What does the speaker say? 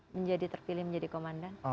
menjadi terpilih menjadi komandan